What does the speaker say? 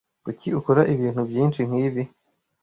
Kuki ukora ibintu byinshi nkibi?